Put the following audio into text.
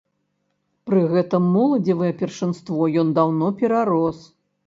Пры гэтым моладзевае першынство ён даўно перарос.